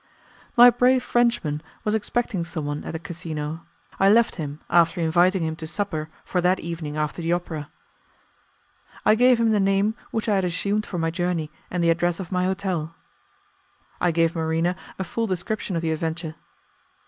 My brave Frenchman was expecting someone at the casino. I left him after inviting him to supper for that evening after the opera. I gave him the name which I had assumed for my journey and the address of my hotel. I gave Marina a full description of the adventure.